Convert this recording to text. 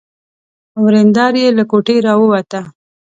ورېندار يې له کوټې را ووته.